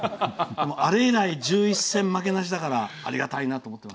あれ以来１１戦負けなしだからありがたいなと思って。